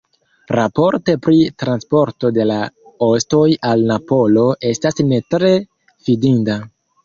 Raporto pri transporto de la ostoj al Napolo estas ne tre fidinda.